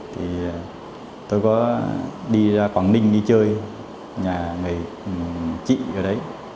thì tôi có đi ra quảng ninh đi chơi nhà người chị cái đấy